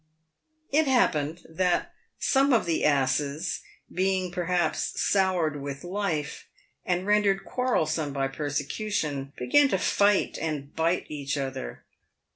It happened that some of the asses, being, perhaps, soured with life, and rendered quarrelsome by persecution, began to fight and bite each other.